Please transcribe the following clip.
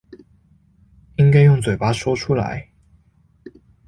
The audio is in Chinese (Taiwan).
應該用嘴巴說出來